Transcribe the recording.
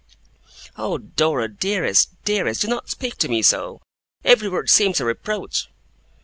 'Oh, Dora, dearest, dearest, do not speak to me so. Every word seems a reproach!